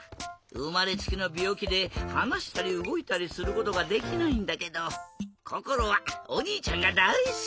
うまれつきのびょうきではなしたりうごいたりすることができないんだけどこころはおにいちゃんがだいすき！